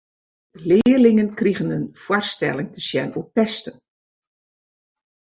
De learlingen krigen in foarstelling te sjen oer pesten.